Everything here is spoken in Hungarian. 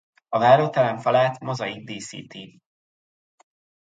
A váróterem falát mozaik díszíti.